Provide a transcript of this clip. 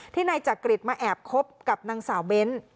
นายจักริตมาแอบคบกับนางสาวเบ้น